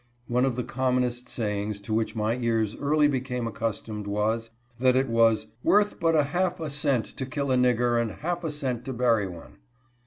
One of the commonest sayings to which my ears early became accustomed, was, that it was " worth but a half a cent to kill a nigger, and half a cent to bury one."